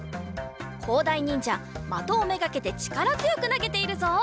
こうだいにんじゃまとをめがけてちからづよくなげているぞ！